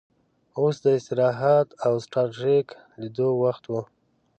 اوس د استراحت او سټار ټریک لیدلو وخت و